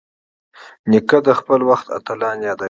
نیکه د خپل وخت اتلان یادوي.